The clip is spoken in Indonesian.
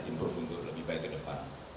improve untuk lebih baik ke depan